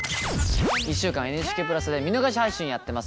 １週間ＮＨＫプラスで見逃し配信やってます。